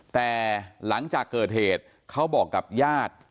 แต่หลังจากเกิดเหตุเขาบอกกับญาติ